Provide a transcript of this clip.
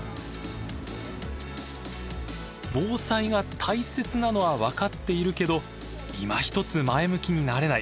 防災が大切なのは分かっているけどいまひとつ前向きになれない。